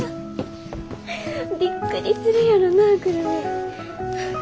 びっくりするやろな久留美。